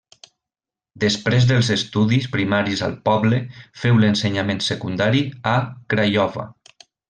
Després dels estudis primaris al poble, féu l'ensenyament secundari a Craiova.